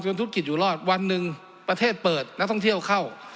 ธุรกิจอยู่รอดวันหนึ่งประเทศเปิดนักท่องเที่ยวเข้า